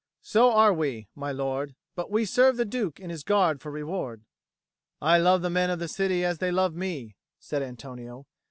"So are we, my lord; but we serve the Duke in his Guard for reward." "I love the men of the city as they love me," said Antonio.